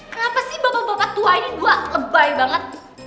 kenapa sih bapak bapak tua ini dua lebay banget